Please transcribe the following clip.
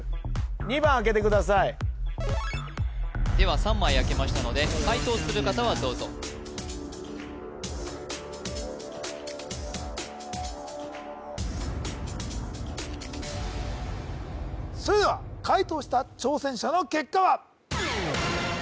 ２番開けてくださいでは３枚開けましたので解答する方はどうぞそれでは解答した挑戦者の結果は？